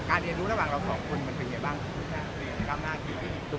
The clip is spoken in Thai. เรียนรู้ระหว่างเราสองคนมันเป็นยังไงบ้าง